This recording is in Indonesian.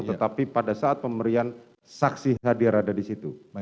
tetapi pada saat pemberian saksi hadir ada di situ